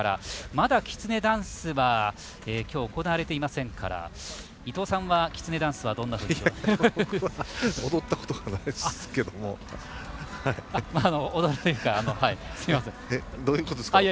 まだ「きつねダンス」は行われていませんから伊東さんは「きつねダンス」は。踊ったことはないですけど。どういうことですか？